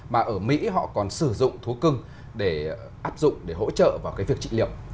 mà ở mỹ họ còn sử dụng thú cưng để áp dụng để hỗ trợ vào cái việc trị liệu